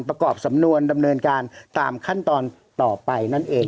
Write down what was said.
ประกอบสำนวนดำเนินการตามขั้นตอนต่อไปนั่นเอง